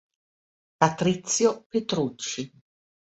Patrizio Petrucci